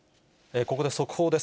ここで速報です。